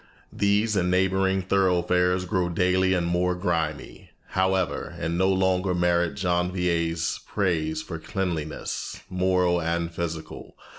These and neighboring thoroughfares grow daily more grimy, however, and no longer merit Janvier's praise for cleanliness, moral and physical.